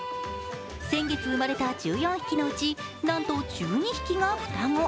先月生まれた１４匹のうちなんと１２匹が双子。